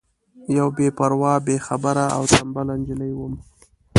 یوه بې پروا بې خبره او تنبله نجلۍ وم.